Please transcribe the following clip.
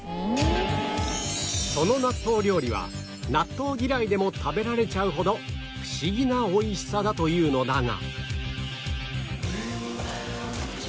その納豆料理は納豆嫌いでも食べられちゃうほどフシギな美味しさだというのだが